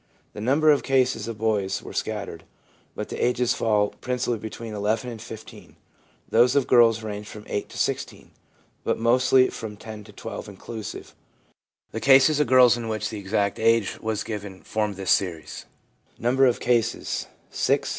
The number of cases of boys were scattered, but the ages fall principally between 11 and 15 ; those of the girls range from 8 to 16, but mostly from 10 to 12 inclusive. The cases of girls in which the exact age was given form this series: — Number of Cases Age